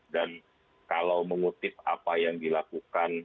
dan kalau mengutip apa yang dilakukan